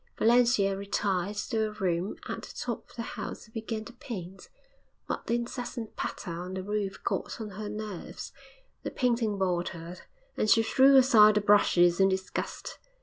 Valentia retired to a room at the top of the house and began to paint, but the incessant patter on the roof got on her nerves; the painting bored her, and she threw aside the brushes in disgust.